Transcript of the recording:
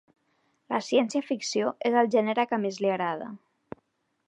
La ciència-ficció és el gènere que més li agrada.